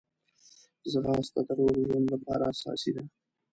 ځغاسته د روغ ژوند لپاره اساسي ده